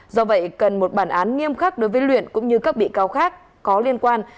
do vậy cần một bản án nghiêm khắc đối với luyện cũng như các bị cáo khác có liên quan